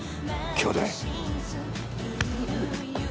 兄弟？